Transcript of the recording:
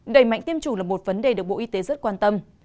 đẩy mạnh tiêm chủng là một vấn đề được bộ y tế rất quan tâm